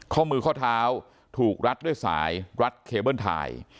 ข้อมือข้อเท้าถูกรัดด้วยสายรัดเคเบิ้ลไทย